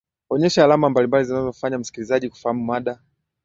onyesha alama mbalimbali zinzomfanya msikilizaji kufahamu mada